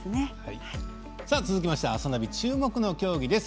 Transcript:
続きましては「あさナビ」注目の競技です。